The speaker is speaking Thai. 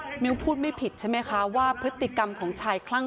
มิ้วพูดไม่ผิดใช่ไหมคะว่าพฤติกรรมของชายคลั่ง